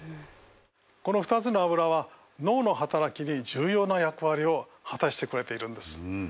この２つのアブラは脳の働きに重要な役割を果たしてくれているんです。